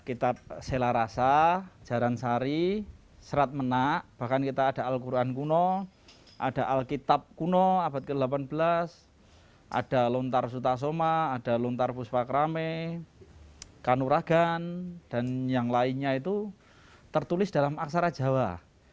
kitab selarasa jaransari serat menak bahkan kita ada al quran kuno ada alkitab kuno abad ke delapan belas ada luntar sutasoma ada luntar buspakrame kanuragan dan yang lainnya itu tertulis dalam aksara jawa